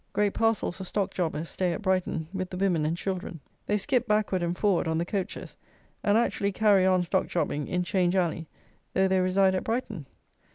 Great parcels of stock jobbers stay at Brighton with the women and children. They skip backward and forward on the coaches, and actually carry on stock jobbing, in 'Change Alley, though they reside at Brighton.